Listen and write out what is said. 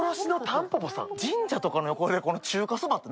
神社とかの横で中華そばって。